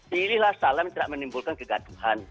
pilihlah salam yang tidak akan menimbulkan kegatuhan